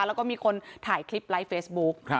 แล้วก็มีคนถ่ายคลิปไลฟ์เฟซบุ๊ก